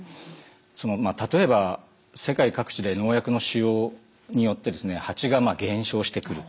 例えば世界各地で農薬の使用によってハチが減少してくる。